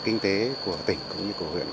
kinh tế của tỉnh cũng như của huyện